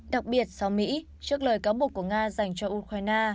đặc biệt sau mỹ trước lời cáo buộc của nga dành cho ukraine